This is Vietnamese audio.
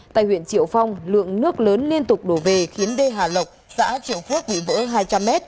tại huyện triệu phong lượng nước lớn liên tục đổ về khiến đê hà lộc xã triệu phước bị vỡ hai trăm linh m